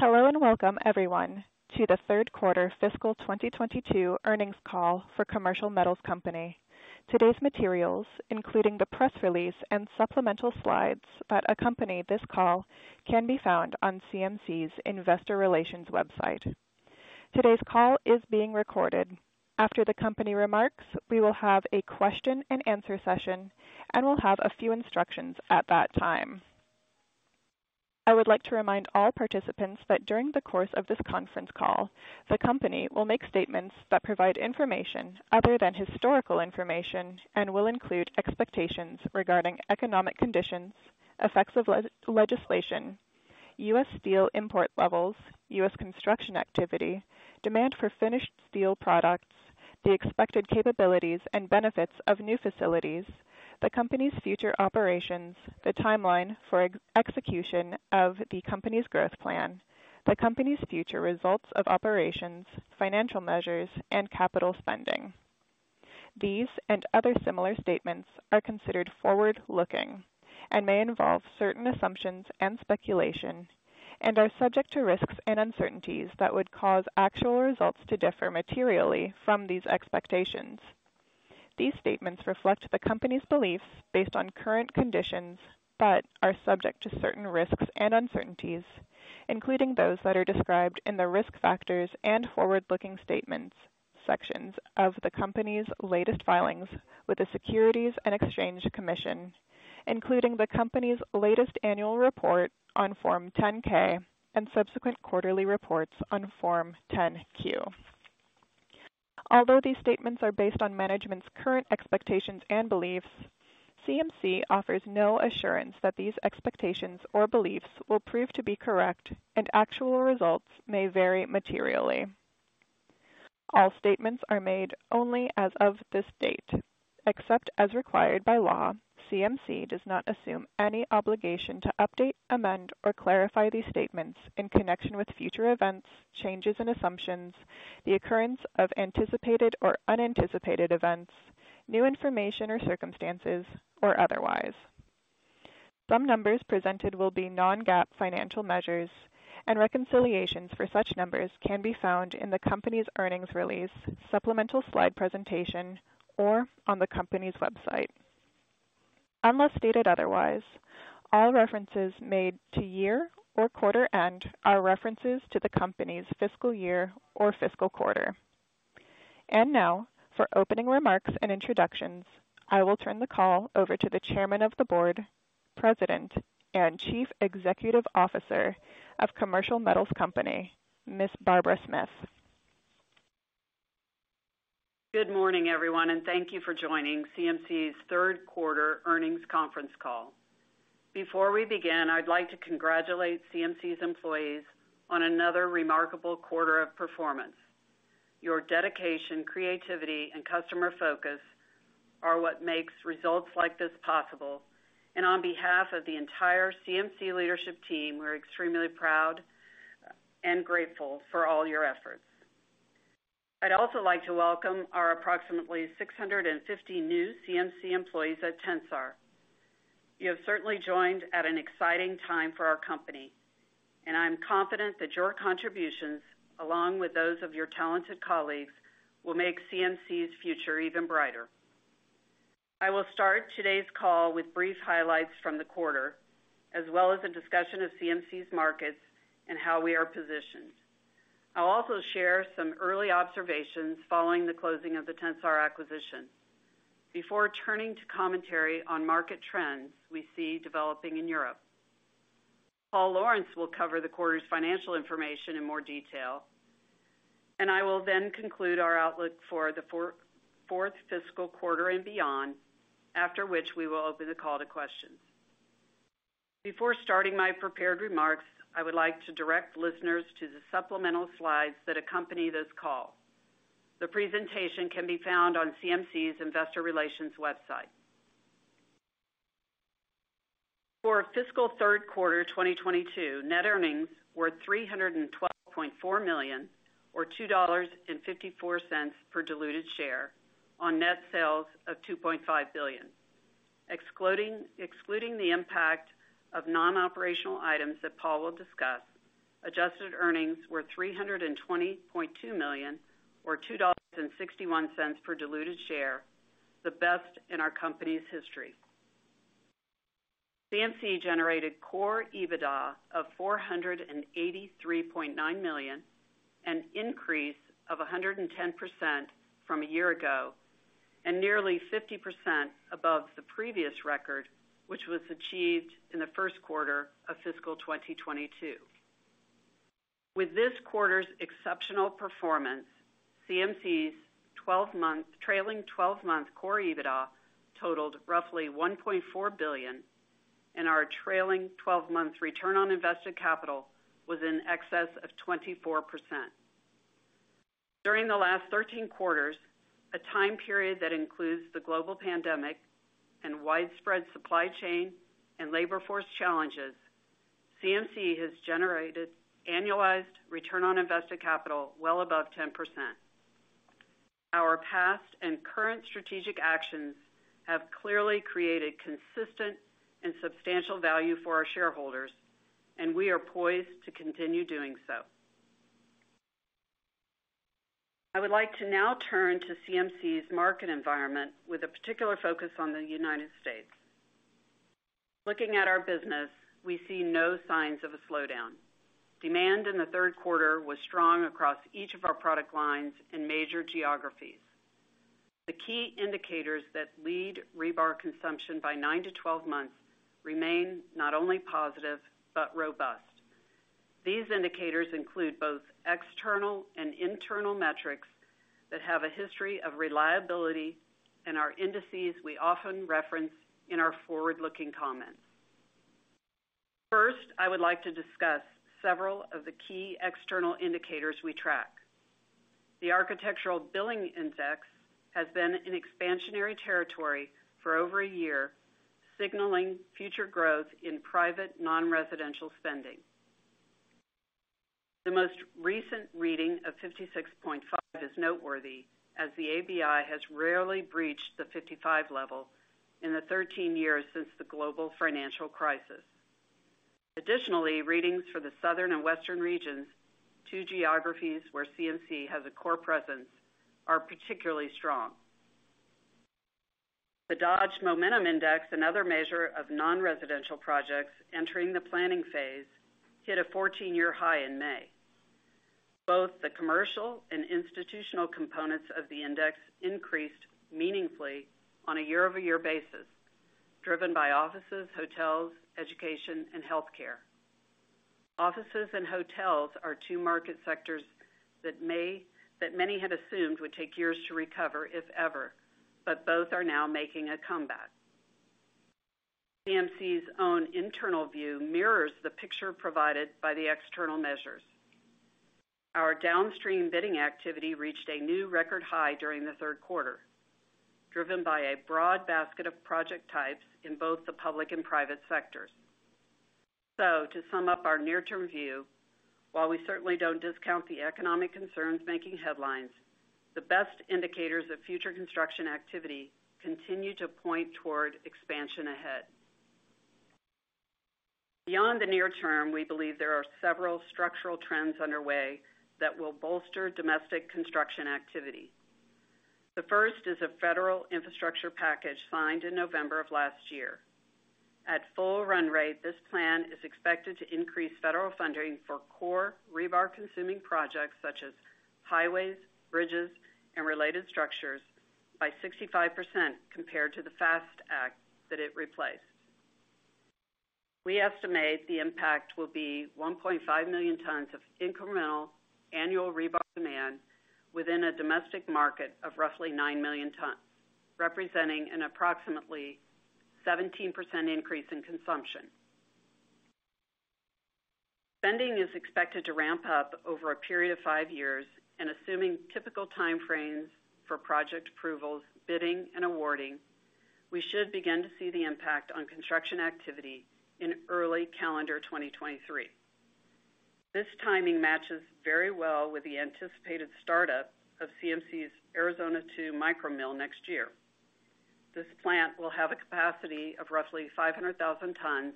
Hello, and welcome everyone to the third quarter fiscal 2022 Earnings Call for Commercial Metals Company. Today's materials, including the press release and supplemental slides that accompany this call, can be found on CMC's Investor Relations website. Today's call is being recorded. After the company remarks, we will have a question-and-answer session and we'll have a few instructions at that time. I would like to remind all participants that during the course of this conference call, the company will make statements that provide information other than historical information and will include expectations regarding economic conditions, effects of legislation, U.S. steel import levels, U.S. construction activity, demand for finished steel products, the expected capabilities and benefits of new facilities, the company's future operations, the timeline for execution of the company's growth plan, the company's future results of operations, financial measures, and capital spending. These and other similar statements are considered forward-looking and may involve certain assumptions and speculation, and are subject to risks and uncertainties that would cause actual results to differ materially from these expectations. These statements reflect the company's beliefs based on current conditions, but are subject to certain risks and uncertainties, including those that are described in the Risk Factors and Forward-Looking Statements sections of the company's latest filings with the Securities and Exchange Commission, including the company's latest annual report on Form 10-K and subsequent quarterly reports on Form 10-Q. Although these statements are based on management's current expectations and beliefs, CMC offers no assurance that these expectations or beliefs will prove to be correct, and actual results may vary materially. All statements are made only as of this date. Except as required by law, CMC does not assume any obligation to update, amend, or clarify these statements in connection with future events, changes in assumptions, the occurrence of anticipated or unanticipated events, new information or circumstances, or otherwise. Some numbers presented will be non-GAAP financial measures and reconciliations for such numbers can be found in the company's earnings release, supplemental slide presentation, or on the company's website. Unless stated otherwise, all references made to year or quarter end are references to the company's fiscal year or fiscal quarter. Now for opening remarks and introductions, I will turn the call over to the Chairman of the Board, President, and Chief Executive Officer of Commercial Metals Company, Ms. Barbara Smith. Good morning, everyone, and thank you for joining CMC's third quarter earnings conference call. Before we begin, I'd like to congratulate CMC's employees on another remarkable quarter of performance. Your dedication, creativity, and customer focus are what makes results like this possible. On behalf of the entire CMC leadership team, we're extremely proud and grateful for all your efforts. I'd also like to welcome our approximately 650 new CMC employees at Tensar. You have certainly joined at an exciting time for our company, and I'm confident that your contributions, along with those of your talented colleagues, will make CMC's future even brighter. I will start today's call with brief highlights from the quarter, as well as a discussion of CMC's markets and how we are positioned. I'll also share some early observations following the closing of the Tensar acquisition. Before turning to commentary on market trends we see developing in Europe. Paul Lawrence will cover the quarter's financial information in more detail, and I will then conclude our outlook for the fourth fiscal quarter and beyond, after which we will open the call to questions. Before starting my prepared remarks, I would like to direct listeners to the supplemental slides that accompany this call. The presentation can be found on CMC's Investor Relations website. For fiscal third quarter 2022, net earnings were $312.4 million or $2.54 per diluted share on net sales of $2.5 billion. Excluding the impact of non-operating items that Paul will discuss, adjusted earnings were $320.2 million or $2.61 per diluted share, the best in our company's history. CMC generated core EBITDA of $483.9 million, an increase of 110% from a year ago, and nearly 50% above the previous record, which was achieved in the first quarter of fiscal 2022. With this quarter's exceptional performance, CMC's trailing 12-month core EBITDA totaled roughly $1.4 billion, and our trailing 12-month return on invested capital was in excess of 24%. During the last 13 quarters, a time period that includes the global pandemic and widespread supply chain and labor force challenges, CMC has generated annualized return on invested capital well above 10%. Our past and current strategic actions have clearly created consistent and substantial value for our shareholders, and we are poised to continue doing so. I would like to now turn to CMC's market environment with a particular focus on the United States. Looking at our business, we see no signs of a slowdown. Demand in the third quarter was strong across each of our product lines in major geographies. The key indicators that lead rebar consumption by nine to 12 months remain not only positive, but robust. These indicators include both external and internal metrics that have a history of reliability and are indices we often reference in our forward-looking comments. First, I would like to discuss several of the key external indicators we track. The Architecture Billings Index has been in expansionary territory for over a year, signaling future growth in private nonresidential spending. The most recent reading of 56.5 is noteworthy as the ABI has rarely breached the 55 level in the 13 years since the global financial crisis. Additionally, readings for the Southern and Western regions, two geographies where CMC has a core presence, are particularly strong. The Dodge Momentum Index, another measure of nonresidential projects entering the planning phase, hit a 14-year high in May. Both the commercial and institutional components of the index increased meaningfully on a year-over-year basis, driven by offices, hotels, education, and healthcare. Offices and hotels are two market sectors that many had assumed would take years to recover, if ever, but both are now making a comeback. CMC's own internal view mirrors the picture provided by the external measures. Our downstream bidding activity reached a new record high during the third quarter, driven by a broad basket of project types in both the public and private sectors. To sum up our near-term view, while we certainly don't discount the economic concerns making headlines, the best indicators of future construction activity continue to point toward expansion ahead. Beyond the near-term, we believe there are several structural trends underway that will bolster domestic construction activity. The first is a federal infrastructure package signed in November of last year. At full run rate, this plan is expected to increase federal funding for core rebar-consuming projects such as highways, bridges, and related structures by 65% compared to the FAST Act that it replaced. We estimate the impact will be 1.5 million tons of incremental annual rebar demand within a domestic market of roughly nine million tons, representing an approximately 17% increase in consumption. Spending is expected to ramp up over a period of five years, and assuming typical timeframes for project approvals, bidding, and awarding, we should begin to see the impact on construction activity in early calendar 2023. This timing matches very well with the anticipated startup of CMC's Arizona 2 micro mill next year. This plant will have a capacity of roughly 500,000 tons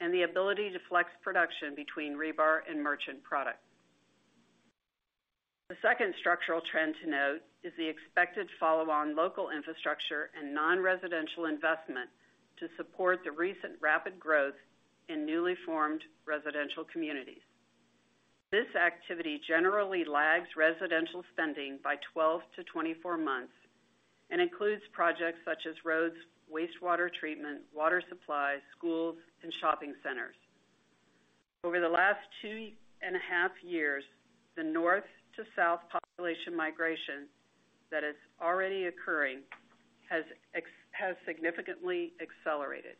and the ability to flex production between rebar and merchant products. The second structural trend to note is the expected follow-on local infrastructure and non-residential investment to support the recent rapid growth in newly formed residential communities. This activity generally lags residential spending by 12-24 months and includes projects such as roads, wastewater treatment, water supply, schools, and shopping centers. Over the last 2.5 years, the north to south population migration that is already occurring has significantly accelerated.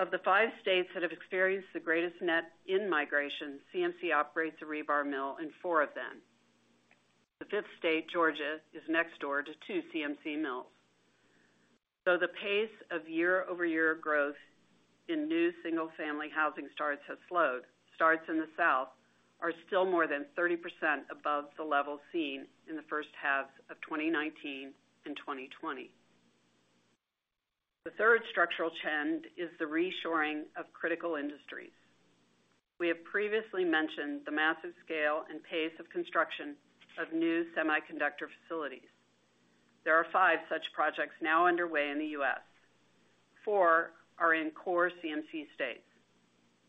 Of the 5 states that have experienced the greatest net in-migration, CMC operates a rebar mill in four of them. The fifth state, Georgia, is next door to two CMC mills. Though the pace of year-over-year growth in new single-family housing starts has slowed, starts in the South are still more than 30% above the level seen in the first half of 2019 and 2020. The third structural trend is the reshoring of critical industries. We have previously mentioned the massive scale and pace of construction of new semiconductor facilities. There are five such projects now underway in the U.S. Four are in core CMC states,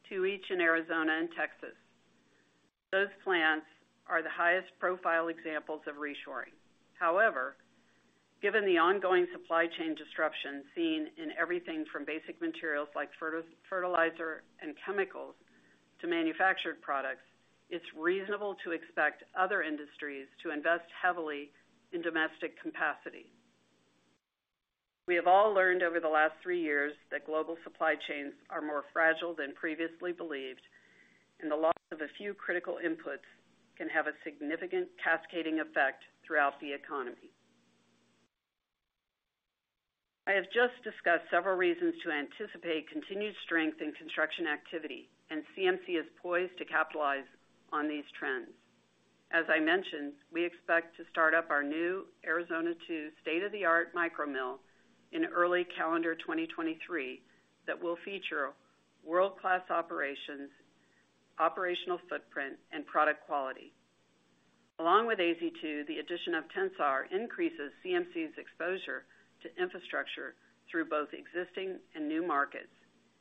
two each in Arizona and Texas. Those plants are the highest profile examples of reshoring. However, given the ongoing supply chain disruption seen in everything from basic materials like fertilizer and chemicals to manufactured products, it's reasonable to expect other industries to invest heavily in domestic capacity. We have all learned over the last three years that global supply chains are more fragile than previously believed, and the loss of a few critical inputs can have a significant cascading effect throughout the economy. I have just discussed several reasons to anticipate continued strength in construction activity, and CMC is poised to capitalize on these trends. As I mentioned, we expect to start up our new Arizona 2 state-of-the-art micro mill in early calendar 2023 that will feature world-class operations, operational footprint, and product quality. Along with AZ2, the addition of Tensar increases CMC's exposure to infrastructure through both existing and new markets,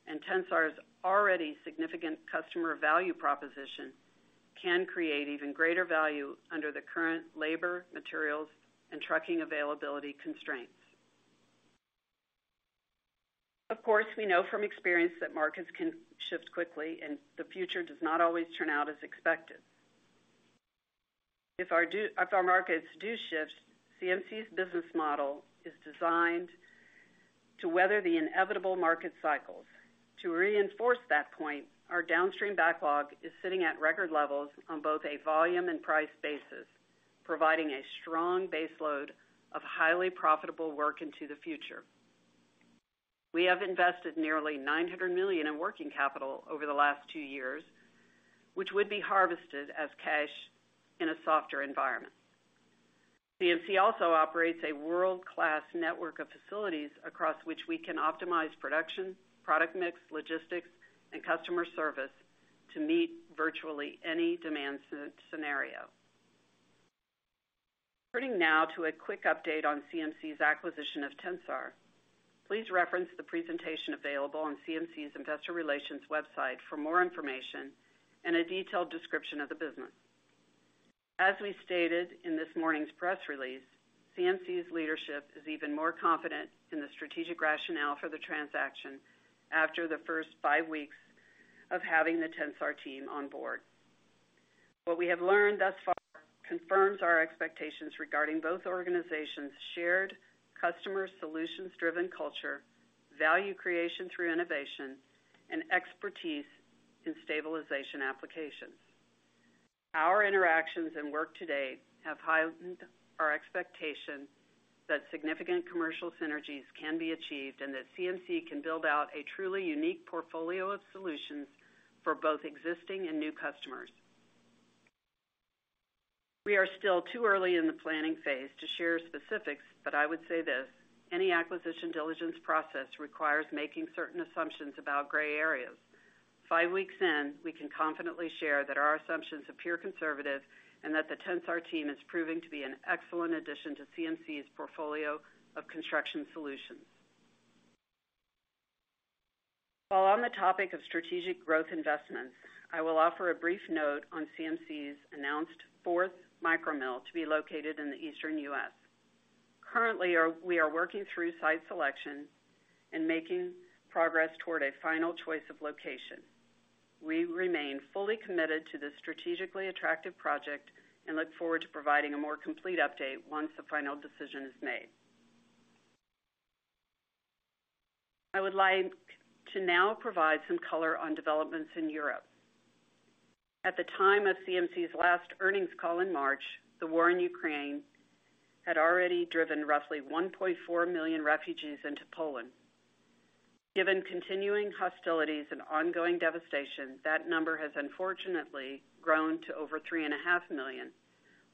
and Tensar's already significant customer value proposition can create even greater value under the current labor, materials, and trucking availability constraints. Of course, we know from experience that markets can shift quickly, and the future does not always turn out as expected. If our markets do shift, CMC's business model is designed to weather the inevitable market cycles. To reinforce that point, our downstream backlog is sitting at record levels on both a volume and price basis, providing a strong baseload of highly profitable work into the future. We have invested nearly $900 million in working capital over the last two years, which would be harvested as cash in a softer environment. CMC also operates a world-class network of facilities across which we can optimize production, product mix, logistics, and customer service to meet virtually any demand scenario. Turning now to a quick update on CMC's acquisition of Tensar. Please reference the presentation available on CMC's investor relations website for more information and a detailed description of the business. As we stated in this morning's press release, CMC's leadership is even more confident in the strategic rationale for the transaction after the first five weeks of having the Tensar team on board. What we have learned thus far confirms our expectations regarding both organizations' shared customer solutions-driven culture, value creation through innovation, and expertise in stabilization applications. Our interactions and work to date have heightened our expectation that significant commercial synergies can be achieved and that CMC can build out a truly unique portfolio of solutions for both existing and new customers. We are still too early in the planning phase to share specifics, but I would say this. Any acquisition diligence process requires making certain assumptions about gray areas. Five weeks in, we can confidently share that our assumptions appear conservative and that the Tensar team is proving to be an excellent addition to CMC's portfolio of construction solutions. While on the topic of strategic growth investments, I will offer a brief note on CMC's announced fourth micro mill to be located in the Eastern U.S. Currently, we are working through site selection and making progress toward a final choice of location. We remain fully committed to this strategically attractive project and look forward to providing a more complete update once the final decision is made. I would like to now provide some color on developments in Europe. At the time of CMC's last earnings call in March, the war in Ukraine had already driven roughly 1.4 million refugees into Poland. Given continuing hostilities and ongoing devastation, that number has unfortunately grown to over 3.5 million,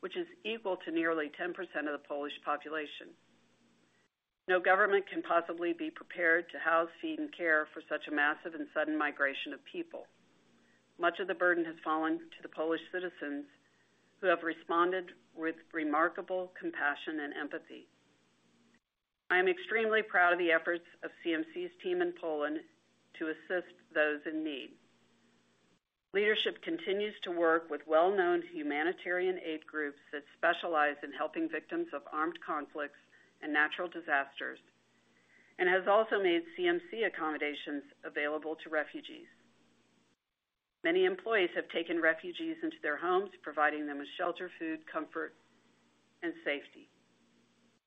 which is equal to nearly 10% of the Polish population. No government can possibly be prepared to house, feed, and care for such a massive and sudden migration of people. Much of the burden has fallen to the Polish citizens, who have responded with remarkable compassion and empathy. I am extremely proud of the efforts of CMC's team in Poland to assist those in need. Leadership continues to work with well-known humanitarian aid groups that specialize in helping victims of armed conflicts and natural disasters, and has also made CMC accommodations available to refugees. Many employees have taken refugees into their homes, providing them with shelter, food, comfort, and safety.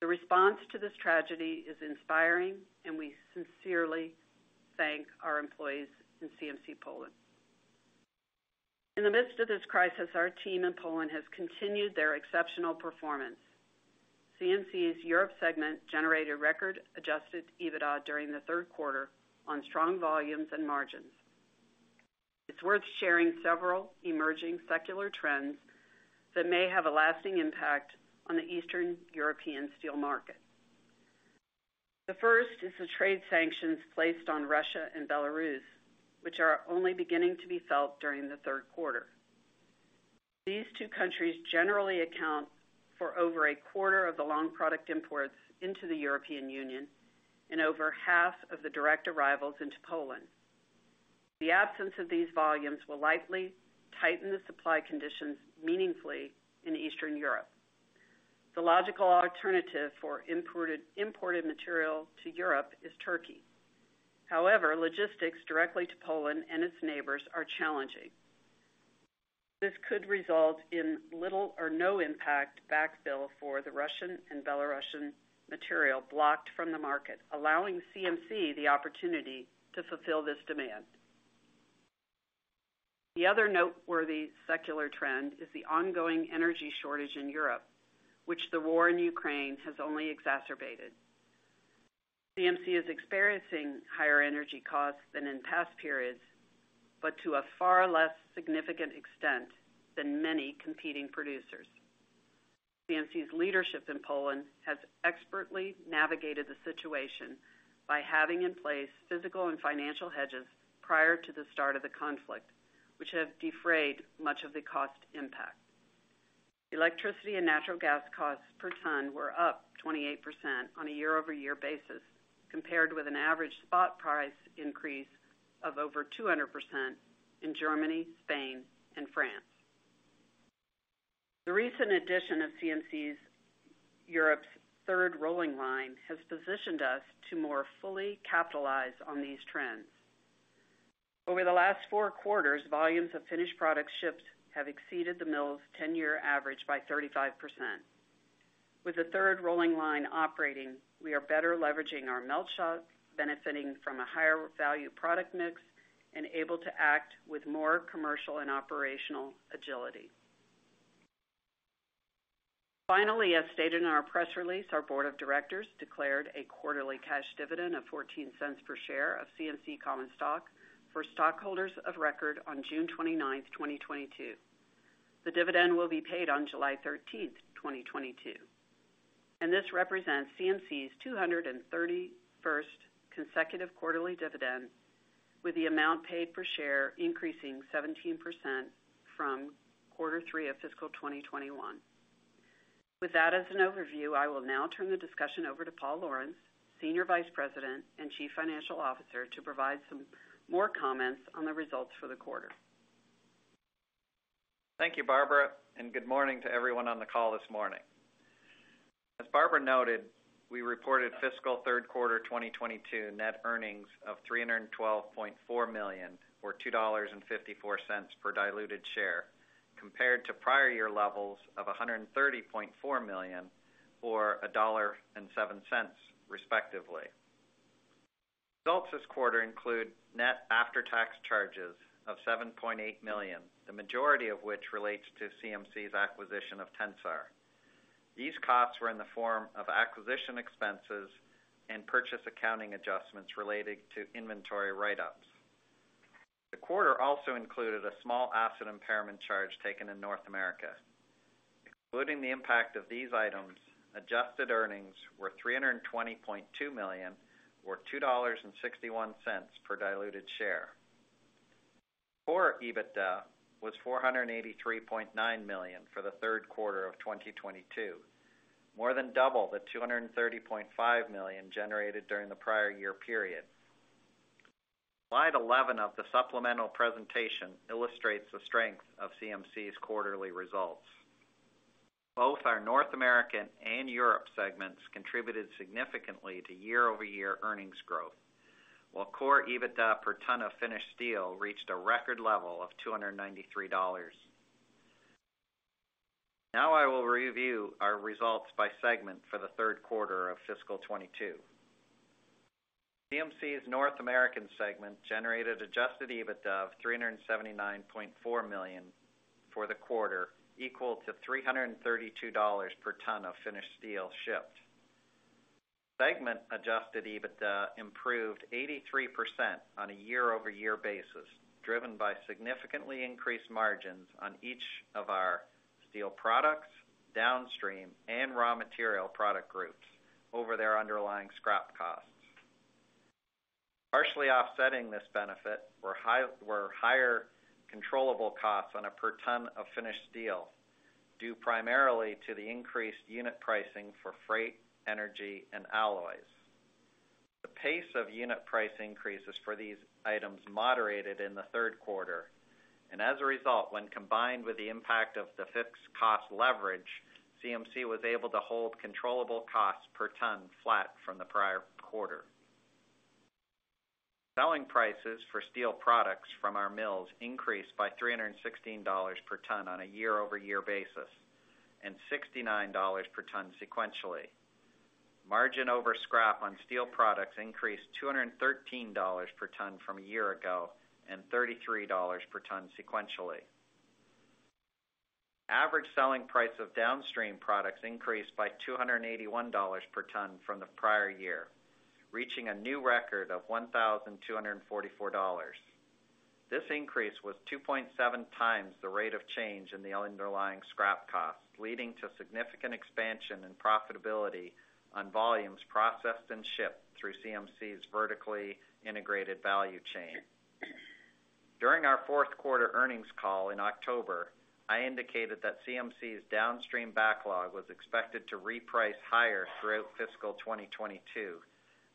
The response to this tragedy is inspiring, and we sincerely thank our employees in CMC Poland. In the midst of this crisis, our team in Poland has continued their exceptional performance. CMC's Europe segment generated record Adjusted EBITDA during the third quarter on strong volumes and margins. It's worth sharing several emerging secular trends that may have a lasting impact on the Eastern European steel market. The first is the trade sanctions placed on Russia and Belarus, which are only beginning to be felt during the third quarter. These two countries generally account for over a quarter of the long product imports into the European Union and over half of the direct arrivals into Poland. The absence of these volumes will likely tighten the supply conditions meaningfully in Eastern Europe. The logical alternative for imported material to Europe is Turkey. However, logistics directly to Poland and its neighbors are challenging. This could result in little or no impact backfill for the Russian and Belarusian material blocked from the market, allowing CMC the opportunity to fulfill this demand. The other noteworthy secular trend is the ongoing energy shortage in Europe, which the war in Ukraine has only exacerbated. CMC is experiencing higher energy costs than in past periods, but to a far less significant extent than many competing producers. CMC's leadership in Poland has expertly navigated the situation by having in place physical and financial hedges prior to the start of the conflict, which have defrayed much of the cost impact. Electricity and natural gas costs per ton were up 28% on a year-over-year basis compared with an average spot price increase of over 200% in Germany, Spain, and France. The recent addition of CMC's Europe's third rolling line has positioned us to more fully capitalize on these trends. Over the last four quarters, volumes of finished product shipped have exceeded the mill's 10-year average by 35%. With the third rolling line operating, we are better leveraging our melt shop, benefiting from a higher value product mix, and able to act with more commercial and operational agility. Finally, as stated in our press release, our board of directors declared a quarterly cash dividend of $0.14 per share of CMC common stock for stockholders of record on June 29th, 2022. The dividend will be paid on July 13th, 2022. This represents CMC's 231st consecutive quarterly dividend, with the amount paid per share increasing 17% from quarter three of fiscal 2021. With that as an overview, I will now turn the discussion over to Paul Lawrence, Senior Vice President and Chief Financial Officer, to provide some more comments on the results for the quarter. Thank you, Barbara, and good morning to everyone on the call this morning. As Barbara noted, we reported fiscal third quarter 2022 net earnings of $312.4 million, or $2.54 per diluted share, compared to prior year levels of $130.4 million, or $1.07, respectively. Results this quarter include net after-tax charges of $7.8 million, the majority of which relates to CMC's acquisition of Tensar. These costs were in the form of acquisition expenses and purchase accounting adjustments relating to inventory write-ups. The quarter also included a small asset impairment charge taken in North America. Excluding the impact of these items, adjusted earnings were $320.2 million, or $2.61 per diluted share. Core EBITDA was $483.9 million for the third quarter of 2022, more than double the $230.5 million generated during the prior year period. Slide 11 of the supplemental presentation illustrates the strength of CMC's quarterly results. Both our North American and Europe segments contributed significantly to year-over-year earnings growth, while core EBITDA per ton of finished steel reached a record level of $293. Now I will review our results by segment for the third quarter of fiscal 2022. CMC's North American segment generated Adjusted EBITDA of $379.4 million for the quarter, equal to $332 per ton of finished steel shipped. Segment Adjusted EBITDA improved 83% on a year-over-year basis, driven by significantly increased margins on each of our steel products, downstream and raw material product groups over their underlying scrap costs. Partially offsetting this benefit were higher controllable costs on a per ton of finished steel, due primarily to the increased unit pricing for freight, energy, and alloys. The pace of unit price increases for these items moderated in the third quarter. As a result, when combined with the impact of the fixed cost leverage, CMC was able to hold controllable costs per ton flat from the prior quarter. Selling prices for steel products from our mills increased by $316 per ton on a year-over-year basis and $69 per ton sequentially. Margin over scrap on steel products increased $213 per ton from a year ago and $33 per ton sequentially. Average selling price of downstream products increased by $281 per ton from the prior year, reaching a new record of $1,244. This increase was 2.7 times the rate of change in the underlying scrap cost, leading to significant expansion and profitability on volumes processed and shipped through CMC's vertically integrated value chain. During our fourth quarter earnings call in October, I indicated that CMC's downstream backlog was expected to reprice higher throughout fiscal 2022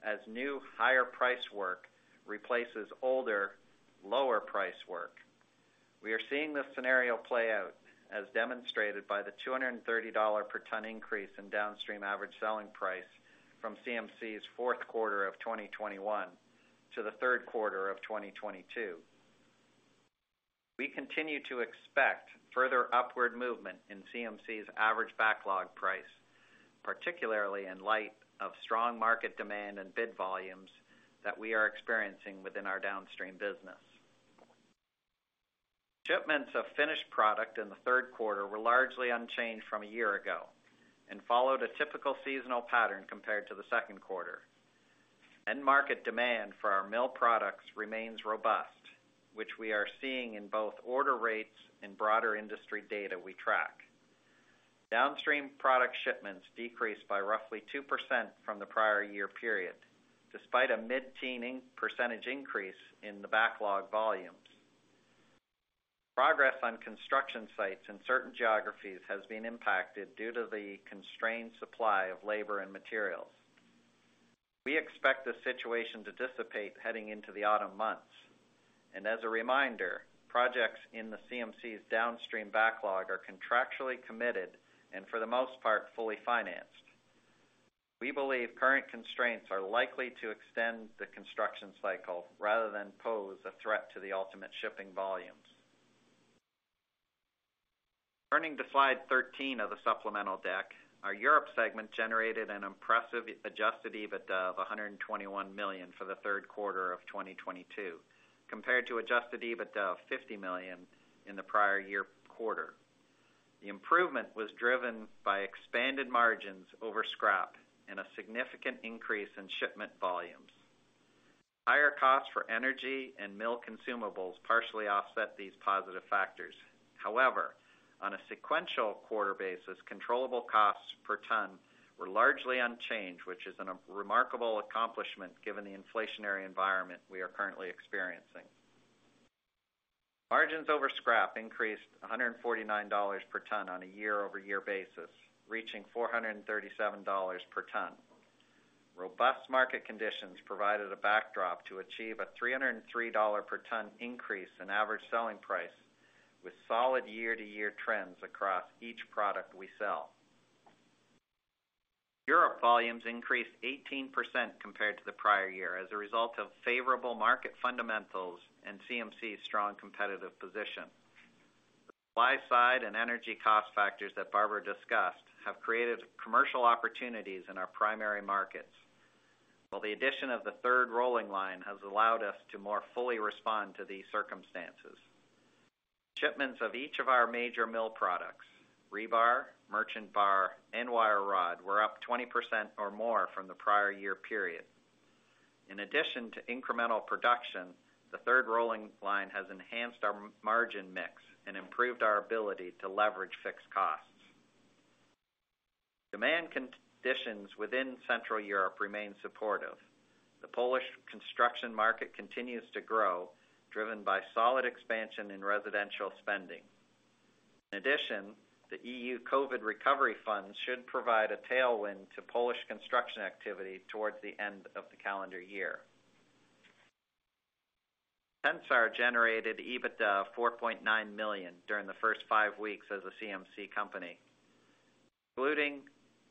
as new higher price work replaces older lower price work. We are seeing this scenario play out, as demonstrated by the $230 per ton increase in downstream average selling price from CMC's fourth quarter of 2021 to the third quarter of 2022. We continue to expect further upward movement in CMC's average backlog price. Particularly in light of strong market demand and bid volumes that we are experiencing within our downstream business. Shipments of finished product in the third quarter were largely unchanged from a year ago and followed a typical seasonal pattern compared to the second quarter. End market demand for our mill products remains robust, which we are seeing in both order rates and broader industry data we track. Downstream product shipments decreased by roughly 2% from the prior year period, despite a mid-teen % increase in the backlog volumes. Progress on construction sites in certain geographies has been impacted due to the constrained supply of labor and materials. We expect this situation to dissipate heading into the autumn months. As a reminder, projects in the CMC's downstream backlog are contractually committed and for the most part, fully financed. We believe current constraints are likely to extend the construction cycle rather than pose a threat to the ultimate shipping volumes. Turning to slide 13 of the supplemental deck. Our Europe segment generated an impressive Adjusted EBITDA of $121 million for the third quarter of 2022, compared to Adjusted EBITDA of $50 million in the prior year quarter. The improvement was driven by expanded margins over scrap and a significant increase in shipment volumes. Higher costs for energy and mill consumables partially offset these positive factors. However, on a sequential quarter basis, controllable costs per ton were largely unchanged, which is a remarkable accomplishment given the inflationary environment we are currently experiencing. Margins over scrap increased $149 per ton on a year-over-year basis, reaching $437 per ton. Robust market conditions provided a backdrop to achieve a $303 per ton increase in average selling price with solid year-to-year trends across each product we sell. Europe volumes increased 18% compared to the prior year as a result of favorable market fundamentals and CMC's strong competitive position. The supply side and energy cost factors that Barbara discussed have created commercial opportunities in our primary markets, while the addition of the third rolling line has allowed us to more fully respond to these circumstances. Shipments of each of our major mill products, rebar, merchant bar, and wire rod, were up 20% or more from the prior year period. In addition to incremental production, the third rolling line has enhanced our margin mix and improved our ability to leverage fixed costs. Demand conditions within Central Europe remain supportive. The Polish construction market continues to grow, driven by solid expansion in residential spending. In addition, the EU COVID recovery funds should provide a tailwind to Polish construction activity towards the end of the calendar year. Tensar generated EBITDA of $4.9 million during the first five weeks as a CMC company. Excluding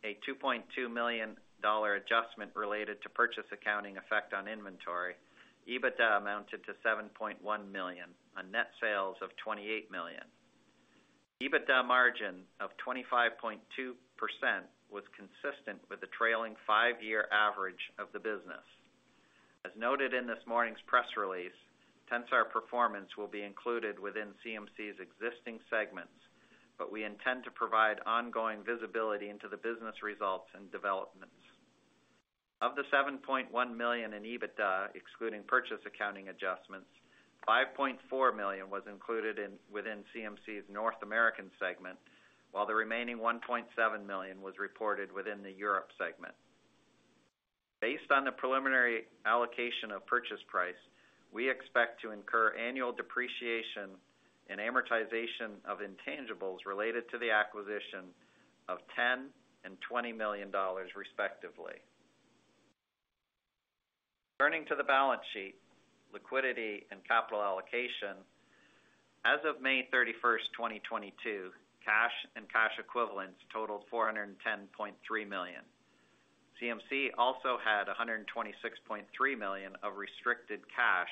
a $2.2 million adjustment related to purchase accounting effect on inventory, EBITDA amounted to $7.1 million on net sales of $28 million. EBITDA margin of 25.2% was consistent with the trailing five-year average of the business. As noted in this morning's press release, Tensar performance will be included within CMC's existing segments, but we intend to provide ongoing visibility into the business results and developments. Of the $7.1 million in EBITDA, excluding purchase accounting adjustments, $5.4 million was included within CMC's North American segment, while the remaining $1.7 million was reported within the European segment. Based on the preliminary allocation of purchase price, we expect to incur annual depreciation and amortization of intangibles related to the acquisition of $10 million and $20 million, respectively. Turning to the balance sheet, liquidity, and capital allocation. As of May 31st, 2022, cash and cash equivalents totaled $410.3 million. CMC also had $126.3 million of restricted cash,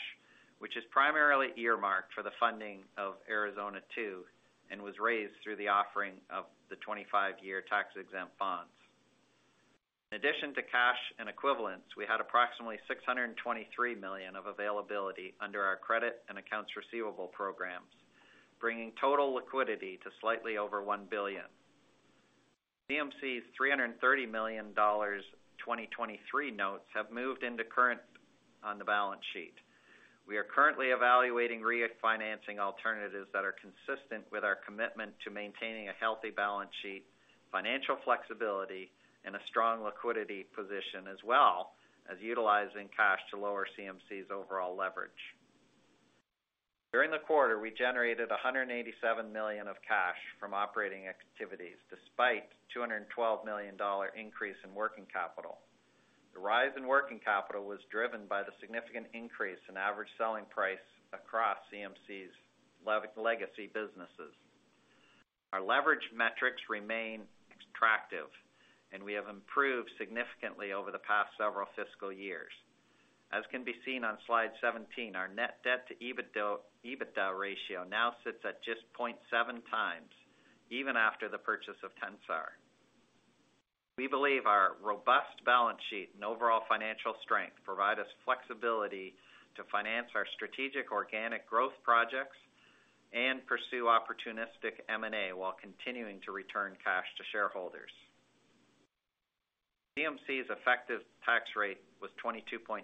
which is primarily earmarked for the funding of Arizona 2 and was raised through the offering of the 25-year tax-exempt bonds. In addition to cash and equivalents, we had approximately $623 million of availability under our credit and accounts receivable programs, bringing total liquidity to slightly over $1 billion. CMC's $330 million 2023 notes have moved into current on the balance sheet. We are currently evaluating refinancing alternatives that are consistent with our commitment to maintaining a healthy balance sheet, financial flexibility, and a strong liquidity position, as well as utilizing cash to lower CMC's overall leverage. During the quarter, we generated $187 million of cash from operating activities, despite $212 million dollar increase in working capital. The rise in working capital was driven by the significant increase in average selling price across CMC's legacy businesses. Our leverage metrics remain attractive, and we have improved significantly over the past several fiscal years. As can be seen on slide 17, our net debt to EBITDA ratio now sits at just 0.7 times even after the purchase of Tensar. We believe our robust balance sheet and overall financial strength provide us flexibility to finance our strategic organic growth projects and pursue opportunistic M&A while continuing to return cash to shareholders. CMC's effective tax rate was 22.9%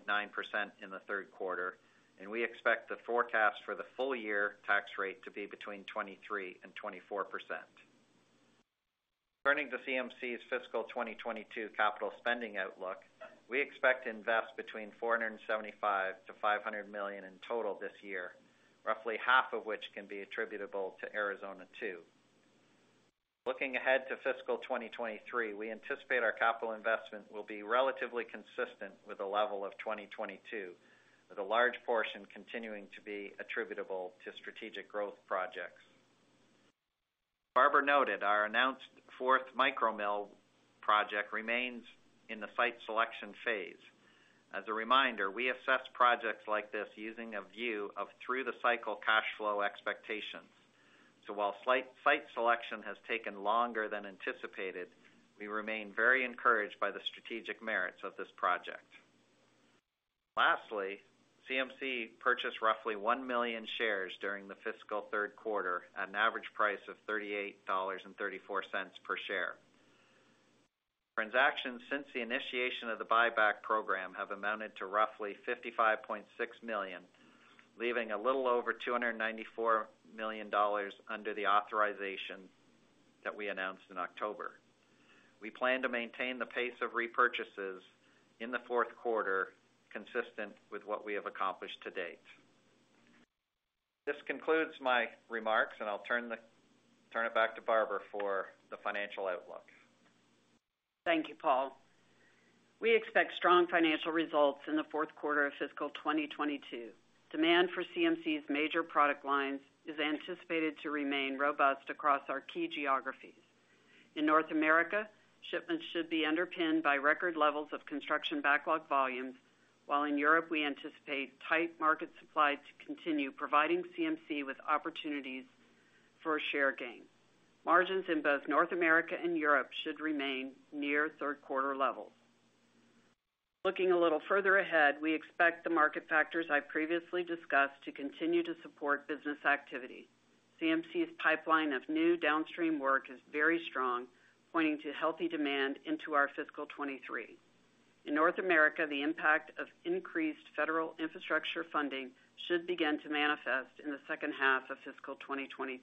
in the third quarter, and we expect the forecast for the full year tax rate to be between 23% and 24%. Turning to CMC's fiscal 2022 capital spending outlook, we expect to invest between $475 million-$500 million in total this year, roughly half of which can be attributable to Arizona 2. Looking ahead to fiscal 2023, we anticipate our capital investment will be relatively consistent with the level of 2022, with a large portion continuing to be attributable to strategic growth projects. Barbara noted our announced fourth micro mill project remains in the site selection phase. As a reminder, we assess projects like this using a view of through-the-cycle cash flow expectations. While site selection has taken longer than anticipated, we remain very encouraged by the strategic merits of this project. Lastly, CMC purchased roughly 1 million shares during the fiscal third quarter at an average price of $38.34 per share. Transactions since the initiation of the buyback program have amounted to roughly $55.6 million, leaving a little over $294 million under the authorization that we announced in October. We plan to maintain the pace of repurchases in the fourth quarter, consistent with what we have accomplished to date. This concludes my remarks, and I'll turn it back to Barbara for the financial outlook. Thank you, Paul. We expect strong financial results in the fourth quarter of fiscal 2022. Demand for CMC's major product lines is anticipated to remain robust across our key geographies. In North America, shipments should be underpinned by record levels of construction backlog volumes, while in Europe we anticipate tight market supply to continue providing CMC with opportunities for share gain. Margins in both North America and Europe should remain near third quarter levels. Looking a little further ahead, we expect the market factors I previously discussed to continue to support business activity. CMC's pipeline of new downstream work is very strong, pointing to healthy demand into our fiscal 2023. In North America, the impact of increased federal infrastructure funding should begin to manifest in the second half of fiscal 2023,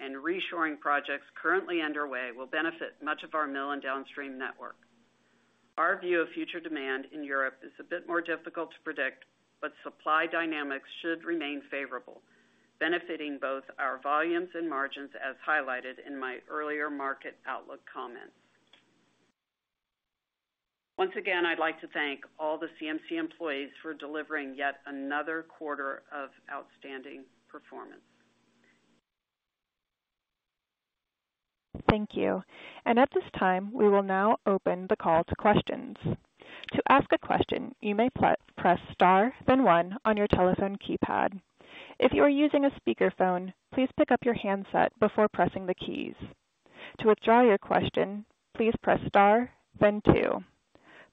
and reshoring projects currently underway will benefit much of our mill and downstream network. Our view of future demand in Europe is a bit more difficult to predict, but supply dynamics should remain favorable, benefiting both our volumes and margins, as highlighted in my earlier market outlook comments. Once again, I'd like to thank all the CMC employees for delivering yet another quarter of outstanding performance. Thank you. At this time, we will now open the call to questions. To ask a question, you may press star, then one on your telephone keypad. If you are using a speakerphone, please pick up your handset before pressing the keys. To withdraw your question, please press star, then two.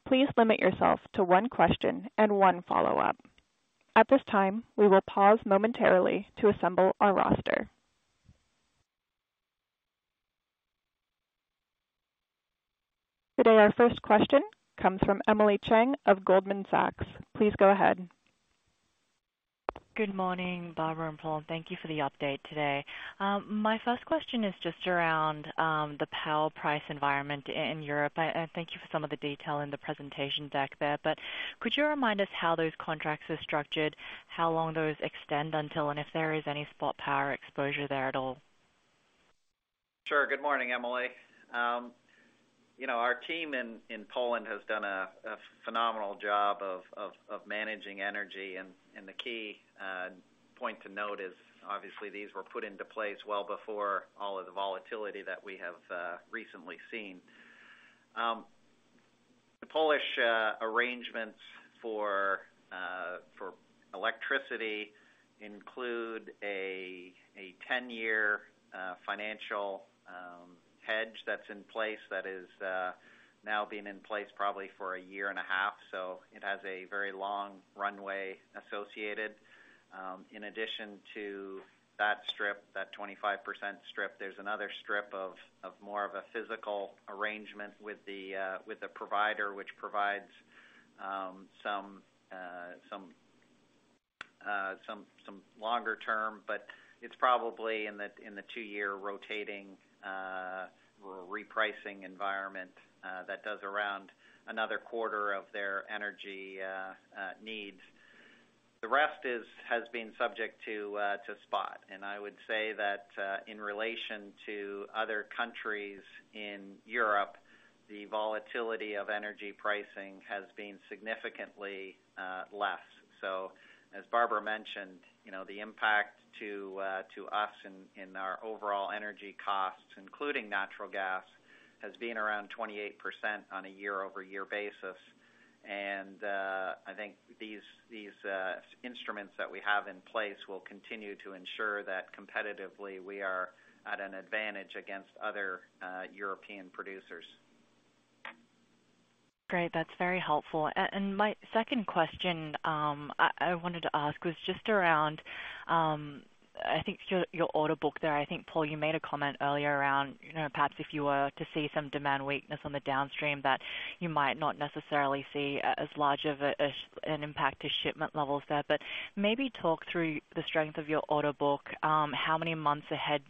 Please limit yourself to one question and one follow-up. At this time, we will pause momentarily to assemble our roster. Today, our first question comes from Emily Chieng of Goldman Sachs. Please go ahead. Good morning, Barbara and Paul. Thank you for the update today. My first question is just around the power price environment in Europe. And thank you for some of the detail in the presentation deck there. Could you remind us how those contracts are structured, how long those extend until, and if there is any spot power exposure there at all? Sure. Good morning, Emily Chieng. you know, our team in Poland has done a phenomenal job of managing energy. The key point to note is obviously these were put into place well before all of the volatility that we have recently seen. The Polish arrangements for electricity include a 10-year financial hedge that's in place that is now been in place probably for a year and a half. It has a very long runway associated. In addition to that strip, that 25% strip, there's another strip of more of a physical arrangement with the provider, which provides some longer-term, but it's probably in the two-year rotating or repricing environment that does around another quarter of their energy needs. The rest has been subject to spot. I would say that in relation to other countries in Europe, the volatility of energy pricing has been significantly less. As Barbara mentioned, you know, the impact to us in our overall energy costs, including natural gas, has been around 28% on a year-over-year basis. I think these instruments that we have in place will continue to ensure that competitively we are at an advantage against other European producers. Great. That's very helpful. My second question I wanted to ask was just around your order book there. I think, Paul, you made a comment earlier around, you know, perhaps if you were to see some demand weakness on the downstream that you might not necessarily see as large of an impact to shipment levels there. Maybe talk through the strength of your order book. How many months ahead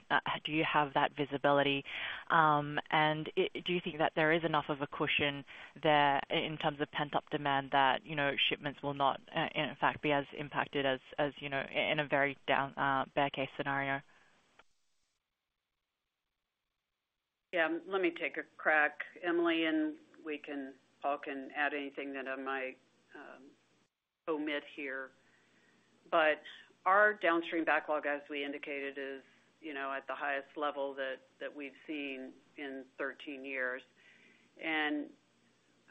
do you have that visibility? Do you think that there is enough of a cushion there in terms of pent-up demand that, you know, shipments will not in fact be as impacted as, you know, in a very down bear case scenario? Yeah. Let me take a crack, Emily, and Paul can add anything that I might omit here. Our downstream backlog, as we indicated, is, you know, at the highest level that we've seen in 13 years.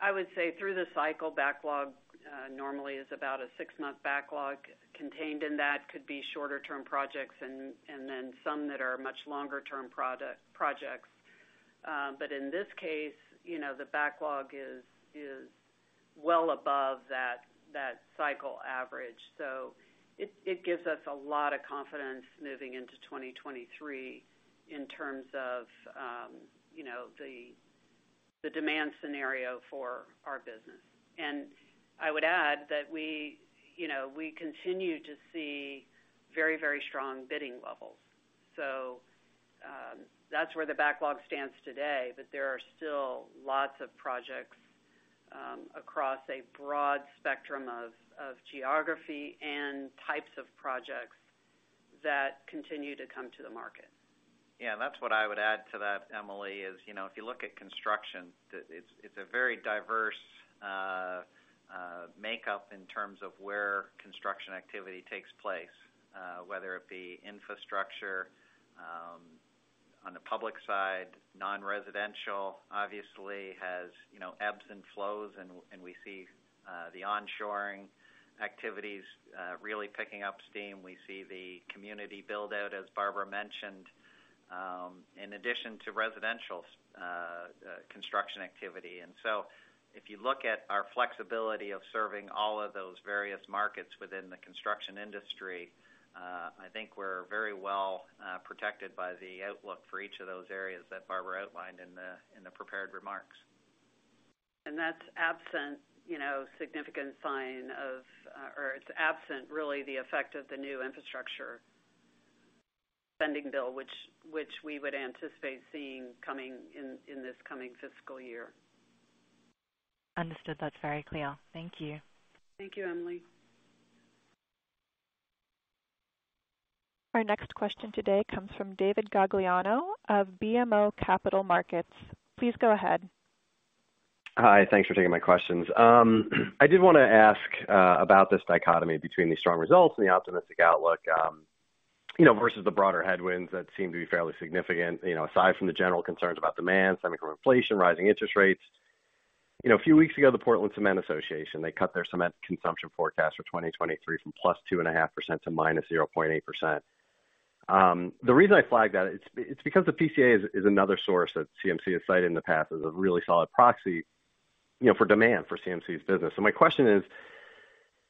I would say through the cycle backlog normally is about a six-month backlog. Contained in that could be shorter-term projects and then some that are much longer-term projects. In this case, you know, the backlog is well above that cycle average. It gives us a lot of confidence moving into 2023 in terms of, you know, the demand scenario for our business. I would add that we, you know, we continue to see very, very strong bidding levels. That's where the backlog stands today, but there are still lots of projects across a broad spectrum of geography and types of projects that continue to come to the market. Yeah, that's what I would add to that, Emily, is, you know, if you look at construction, it's a very diverse makeup in terms of where construction activity takes place, whether it be infrastructure on the public side. Non-residential obviously has, you know, ebbs and flows, and we see the onshoring activities really picking up steam. We see the community build-out, as Barbara mentioned, in addition to residential construction activity. If you look at our flexibility of serving all of those various markets within the construction industry, I think we're very well protected by the outlook for each of those areas that Barbara outlined in the prepared remarks. That's absent, you know, it's absent, really, the effect of the new infrastructure spending bill, which we would anticipate seeing coming in this coming fiscal year. Understood. That's very clear. Thank you. Thank you, Emily. Our next question today comes from David Gagliano of BMO Capital Markets. Please go ahead. Hi. Thanks for taking my questions. I did wanna ask about this dichotomy between the strong results and the optimistic outlook, you know, versus the broader headwinds that seem to be fairly significant, you know, aside from the general concerns about demand, core inflation, rising interest rates. You know, a few weeks ago, the Portland Cement Association, they cut their cement consumption forecast for 2023 from +2.5% to -0.8%. The reason I flagged that, it's because the PCA is another source that CMC has cited in the past as a really solid proxy, you know, for demand for CMC's business. My question is,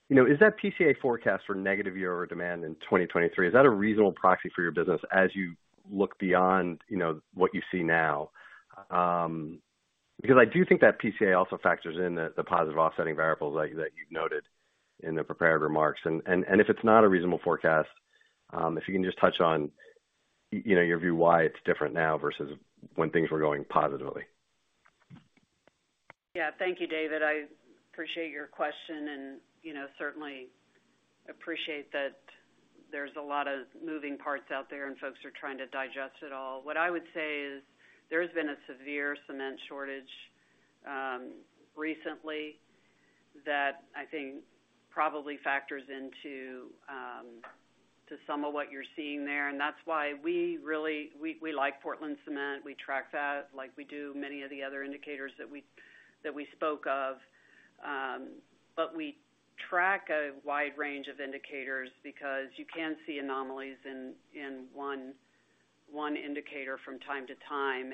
you know, is that PCA forecast for negative year-over-year demand in 2023, is that a reasonable proxy for your business as you look beyond, you know, what you see now? Because I do think that PCA also factors in the positive offsetting variables that you've noted in the prepared remarks. If it's not a reasonable forecast, if you can just touch on, you know, your view why it's different now versus when things were going positively. Yeah. Thank you, David. I appreciate your question and, you know, certainly appreciate that there's a lot of moving parts out there and folks are trying to digest it all. What I would say is there has been a severe cement shortage recently that I think probably factors into to some of what you're seeing there. That's why we really like Portland Cement. We track that like we do many of the other indicators that we spoke of. We track a wide range of indicators because you can see anomalies in one indicator from time to time.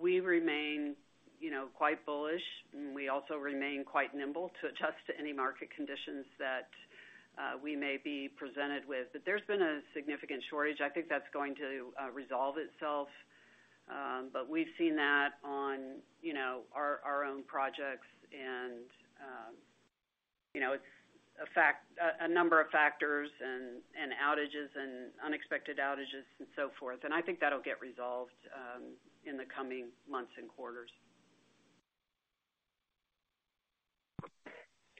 We remain, you know, quite bullish, and we also remain quite nimble to adjust to any market conditions that we may be presented with. There's been a significant shortage. I think that's going to resolve itself. We've seen that on, you know, our own projects and, you know, it's a number of factors and outages and unexpected outages and so forth. I think that'll get resolved in the coming months and quarters.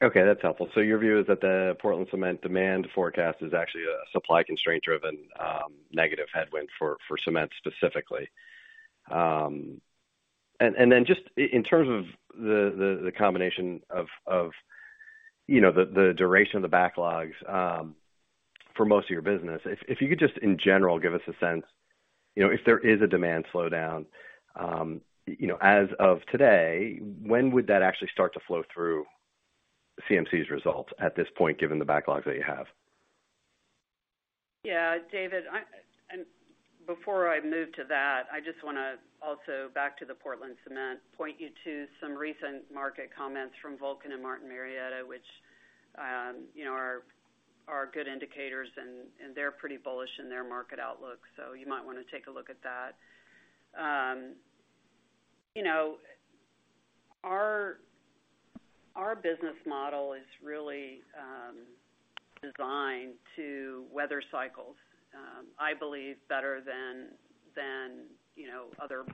Okay. That's helpful. Your view is that the Portland Cement demand forecast is actually a supply constraint driven negative headwind for cement specifically. Just in terms of the combination of you know the duration of the backlogs for most of your business, if you could just in general give us a sense, you know, if there is a demand slowdown, you know, as of today, when would that actually start to flow through CMC's results at this point, given the backlogs that you have? Yeah. David, before I move to that, I just wanna also go back to the Portland cement and point you to some recent market comments from Vulcan and Martin Marietta, which you know are good indicators and they're pretty bullish in their market outlook. You might wanna take a look at that. You know, our business model is really designed to weather cycles, I believe, better than you know other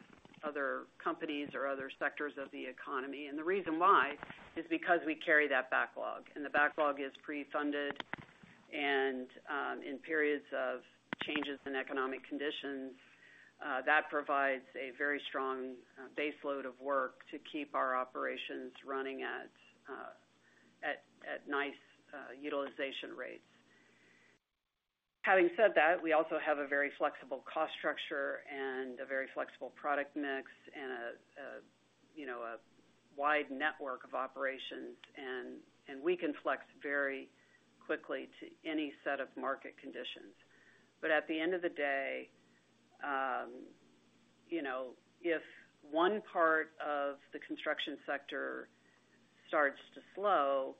companies or other sectors of the economy. The reason why is because we carry that backlog, and the backlog is pre-funded. In periods of changes in economic conditions, that provides a very strong base load of work to keep our operations running at nice utilization rates. Having said that, we also have a very flexible cost structure and a very flexible product mix and a you know a wide network of operations and we can flex very quickly to any set of market conditions. At the end of the day, you know, if one part of the construction sector starts to slow,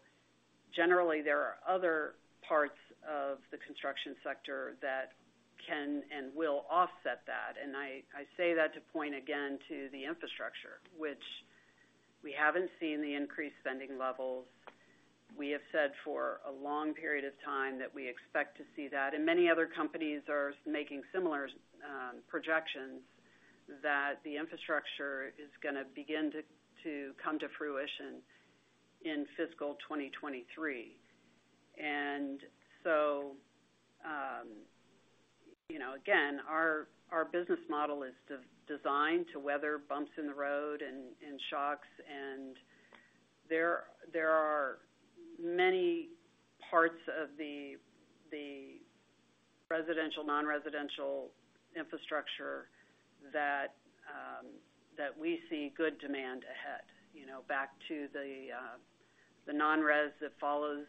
generally there are other parts of the construction sector that can and will offset that. I say that to point again to the infrastructure, which we haven't seen the increased spending levels. We have said for a long period of time that we expect to see that, and many other companies are making similar projections, that the infrastructure is gonna begin to come to fruition in fiscal 2023. You know, again, our business model is designed to weather bumps in the road and shocks. There are many parts of the residential, non-residential infrastructure that we see good demand ahead. You know, back to the non-res that follows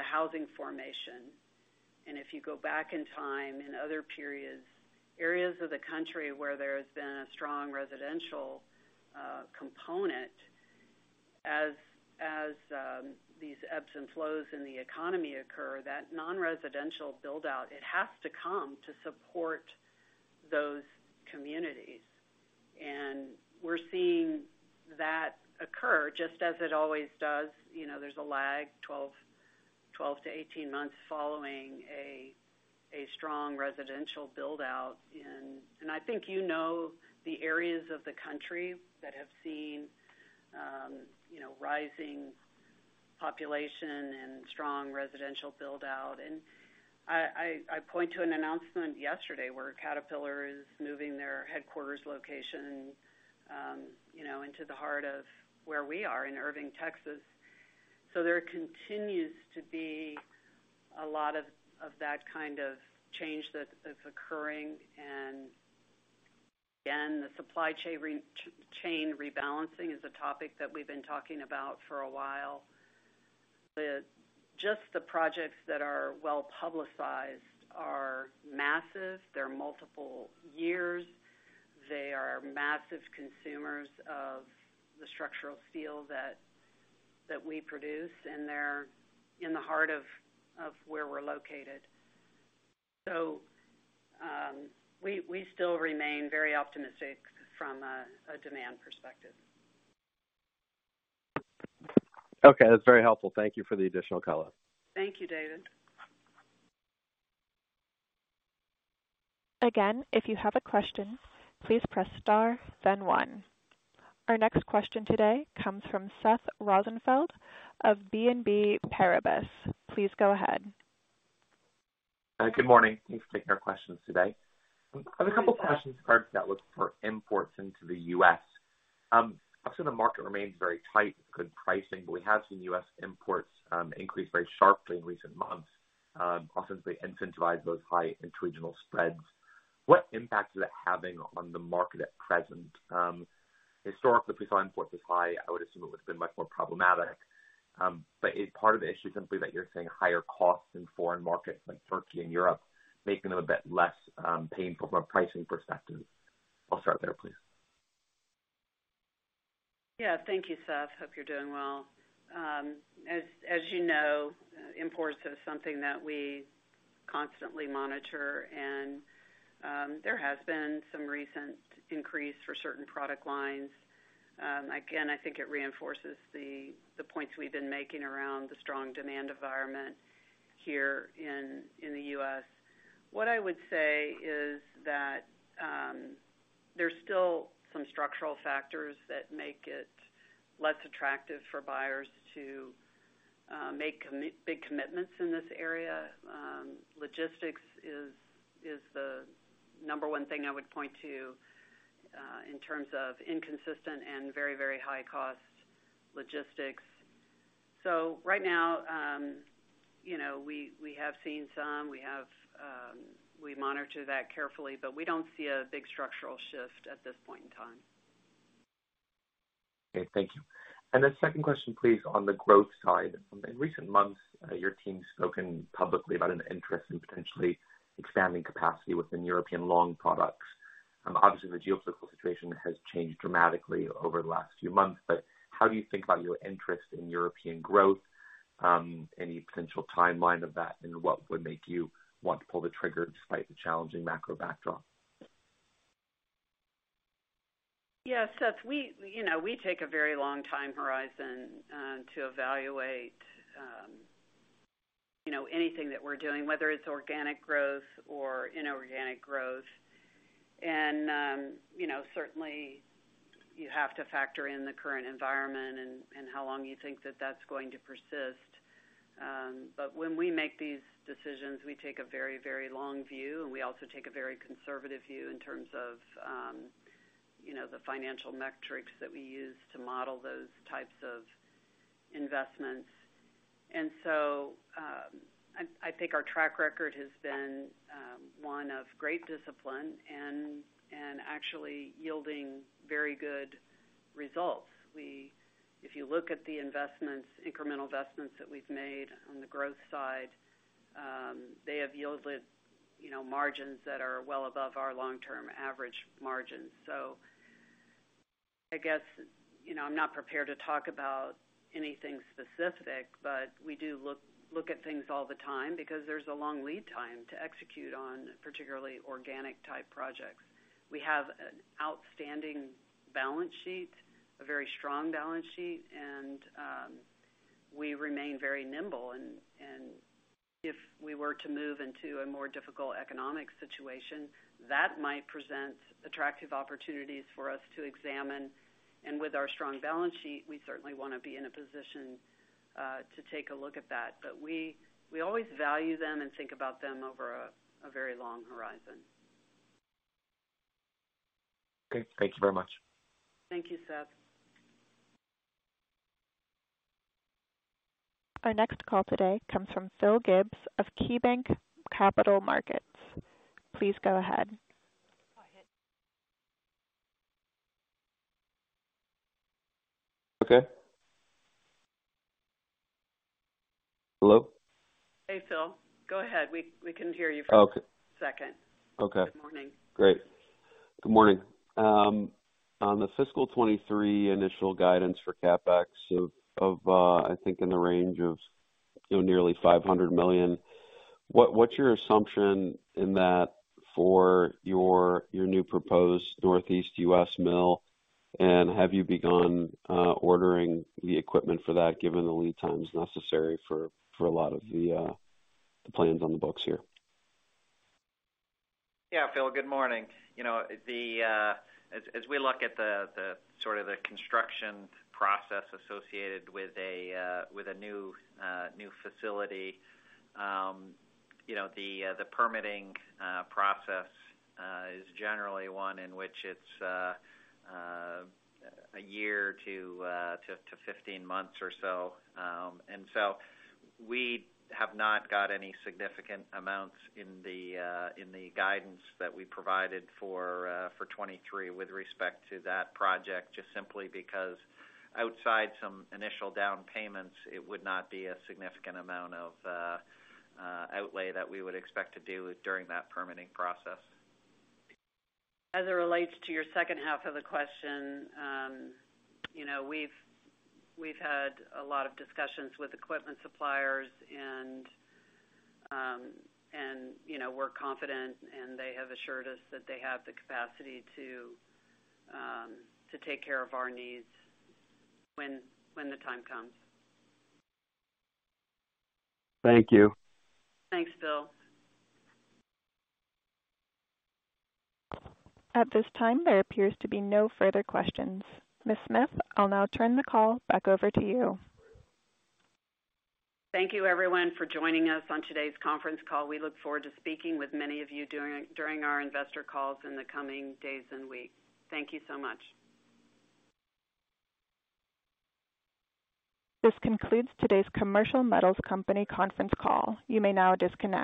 the housing formation. If you go back in time, in other periods, areas of the country where there's been a strong residential component, as these ebbs and flows in the economy occur, that non-residential build out, it has to come to support those communities. We're seeing that occur just as it always does. You know, there's a lag 12-18 months following a strong residential build out. I think you know the areas of the country that have seen, you know, rising population and strong residential build out. I point to an announcement yesterday where Caterpillar is moving their headquarters location, you know, into the heart of where we are in Irving, Texas. There continues to be a lot of that kind of change that is occurring. Again, the supply chain rebalancing is a topic that we've been talking about for a while. Just the projects that are well-publicized are massive. They're multiple years. They are massive consumers of the structural steel that we produce, and they're in the heart of where we're located. We still remain very optimistic from a demand perspective. Okay. That's very helpful. Thank you for the additional color. Thank you, David. Again, if you have a question, please press star then one. Our next question today comes from Seth Rosenfeld of BNP Paribas. Please go ahead. Good morning. Thanks for taking our questions today. Good morning, Seth. I have a couple questions to start with for imports into the U.S. Obviously the market remains very tight, good pricing, but we have seen U.S. imports increase very sharply in recent months, ostensibly incentivized both high and regional spreads. What impact is that having on the market at present? Historically, if we saw imports this high, I would assume it would have been much more problematic. Is part of the issue simply that you're seeing higher costs in foreign markets like Turkey and Europe, making them a bit less painful from a pricing perspective? I'll start there, please. Yeah. Thank you, Seth. Hope you're doing well. As you know, imports is something that we constantly monitor and, there has been some recent increase for certain product lines. Again, I think it reinforces the points we've been making around the strong demand environment here in the U.S. What I would say is that, there's still some structural factors that make it less attractive for buyers to make big commitments in this area. Logistics is the number one thing I would point to, in terms of inconsistent and very, very high cost logistics. So right now, you know, we have seen some. We monitor that carefully, but we don't see a big structural shift at this point in time. Okay. Thank you. The second question please, on the growth side. In recent months, your team's spoken publicly about an interest in potentially expanding capacity within European long products. Obviously, the geopolitical situation has changed dramatically over the last few months, but how do you think about your interest in European growth? Any potential timeline of that, and what would make you want to pull the trigger despite the challenging macro backdrop? Yeah, Seth, we you know we take a very long time horizon to evaluate you know anything that we're doing, whether it's organic growth or inorganic growth. You know, certainly you have to factor in the current environment and how long you think that that's going to persist. When we make these decisions, we take a very, very long view, and we also take a very conservative view in terms of you know the financial metrics that we use to model those types of investments. I think our track record has been one of great discipline and actually yielding very good results. If you look at the investments, incremental investments that we've made on the growth side, they have yielded you know margins that are well above our long-term average margins. I guess, you know, I'm not prepared to talk about anything specific, but we do look at things all the time because there's a long lead time to execute on particularly organic type projects. We have an outstanding balance sheet, a very strong balance sheet, and we remain very nimble and if we were to move into a more difficult economic situation, that might present attractive opportunities for us to examine. With our strong balance sheet, we certainly wanna be in a position to take a look at that. We always value them and think about them over a very long horizon. Okay. Thank you very much. Thank you, Seth. Our next call today comes from Philip Gibbs of KeyBanc Capital Markets. Please go ahead. Go ahead. Okay. Hello? Hey, Phil. Go ahead. We can hear you fine. Okay. -for a second. Okay. Good morning. Great. Good morning. On the fiscal 2023 initial guidance for CapEx of, I think in the range of, you know, nearly $500 million, what's your assumption in that for your new proposed Northeast U.S. mill, and have you begun ordering the equipment for that, given the lead times necessary for a lot of the plans on the books here? Yeah. Phil, good morning. You know, as we look at the sort of construction process associated with a new facility, you know, the permitting process is generally one in which it's a year to 15 months or so. We have not got any significant amounts in the guidance that we provided for 2023 with respect to that project, just simply because outside some initial down payments, it would not be a significant amount of outlay that we would expect to do during that permitting process. As it relates to your second half of the question, you know, we've had a lot of discussions with equipment suppliers and, you know, we're confident and they have assured us that they have the capacity to take care of our needs when the time comes. Thank you. Thanks, Phil. At this time, there appears to be no further questions. Ms. Smith, I'll now turn the call back over to you. Thank you everyone for joining us on today's conference call. We look forward to speaking with many of you during our investor calls in the coming days and weeks. Thank you so much. This concludes today's Commercial Metals Company conference call. You may now disconnect.